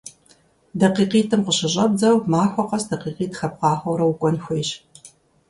ДакъикъитӀым къыщыщӀэбдзэу, махуэ къэс дакъикъитӀ хэбгъахъуэурэ укӀуэн хуейщ.